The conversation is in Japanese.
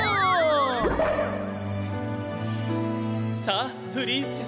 「さあプリンセス！」。